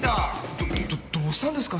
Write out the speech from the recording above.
どっどっどうしたんですか？